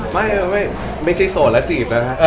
ไม่ไม่ใช่โสดแล้วจีบนะฮะ